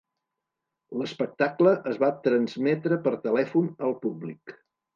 L"espectacle es va transmetre per telèfon al públic.